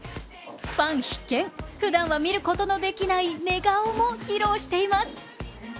ファン必見、ふだんは見ることのできない寝顔も披露しています。